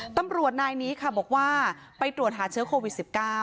ตำรวจนายนี้ค่ะบอกว่าไปตรวจหาเชื้อโควิด๑๙